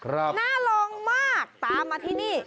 น่าลองมากตามมาที่นี่